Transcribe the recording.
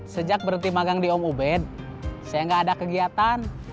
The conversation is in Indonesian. sejak berhenti magang di om ubed saya nggak ada kegiatan